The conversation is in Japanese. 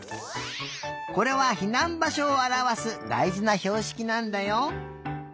これはひなんばしょをあらわすだいじなひょうしきなんだよ。